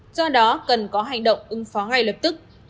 do đó cần có hành động ứng phó ngay lập tức